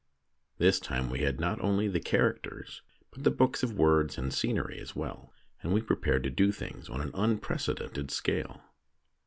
This time we had not only the characters, but the books of words and scenery as well, and we prepared to do things on an unpre cedented scale.